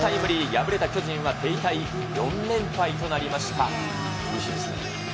敗れた巨人は手痛い４連敗となりました。